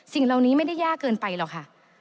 สิ่งเหล่านี้ไม่ได้ยากเกินไปหรอกค่ะ